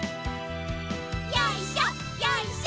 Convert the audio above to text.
よいしょよいしょ。